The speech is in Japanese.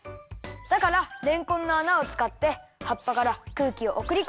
だかられんこんのあなをつかってはっぱからくうきをおくりこんでいるんだよ。